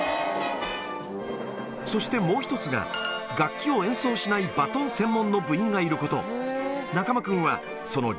そしてもう１つが、楽器を演奏しないバトン専門の部員がいること。